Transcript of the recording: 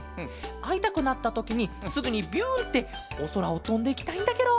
あいたくなったときにすぐにビュンっておそらをとんでいきたいんだケロ。